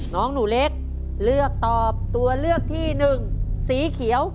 น้องหนูเล็กเลือกตอบตัวเลือกที่หนึ่งสีเขียว